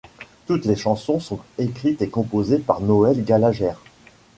Toutes les chansons sont écrites et composées par Noel Gallagher.